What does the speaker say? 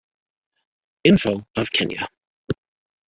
Info of Kenya.